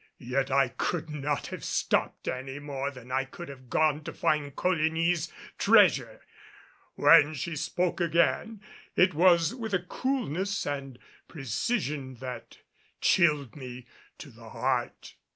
Yet I could not have stopped any more than I could have gone to find Coligny's treasure. When she spoke again, it was with a coolness and precision, that chilled me to the heart.